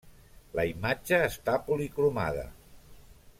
La imatge està policromada.